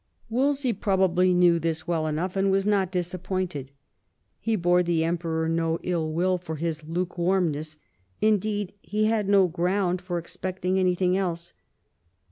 Wolsey probably knew this well enough, and was not disappointed. He bore the Emperor no ill will for his lukewarmness ; indeed he had no ground for expecting anything else.